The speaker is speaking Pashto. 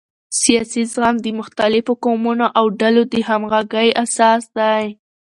سیاسي زغم د مختلفو قومونو او ډلو د همغږۍ اساس دی